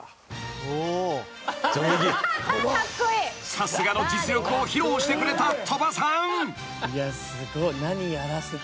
［さすがの実力を披露してくれた鳥羽さん］